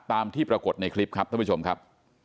ตามที่ปรากฏในคลิปครับท่านผู้ชมครับ